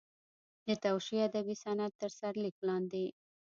د توشیح ادبي صنعت تر سرلیک لاندې.